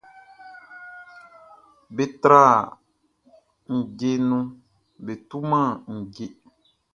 Be tran ndje nu nan ba tu ndje.